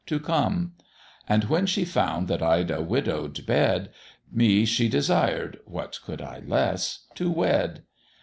to come; And when she found that I'd a widow'd bed, Me she desired what could I less? to wed.